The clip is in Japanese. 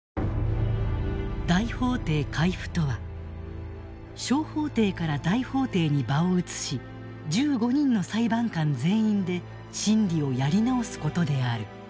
大法廷回付とは小法廷から大法廷に場を移し１５人の裁判官全員で審理をやり直すことである。